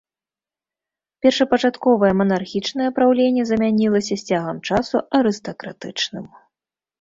Першапачатковае манархічнае праўленне замянілася з цягам часу арыстакратычным.